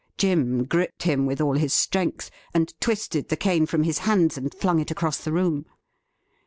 Jim gripped him with all his strength, and twisted the cane from his hands, and flung it across the room.